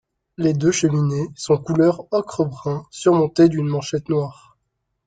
Les deux cheminées sont couleur ocre brun surmontées d'une manchette noire.